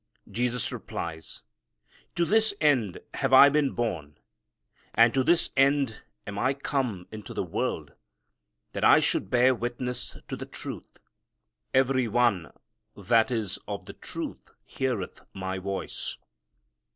Jesus replies, "To this end have I been born, and to this end am I come into the world, that I should bear witness to the truth. Every one that is of the truth heareth my voice."